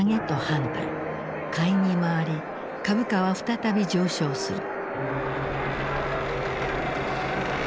買いに回り株価は再び上昇する。